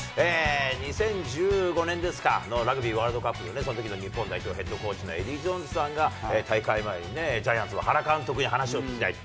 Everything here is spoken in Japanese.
２０１５年ですか、の、ラグビーワールドカップ、そのときの日本代表ヘッドコーチのエディー・ジョーンズさんが、大会前にね、ジャイアンツの原監督に話を聞きたいと。